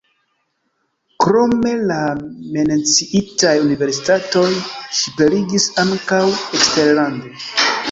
Krom la menciitaj universitatoj ŝi prelegis ankaŭ eksterlande.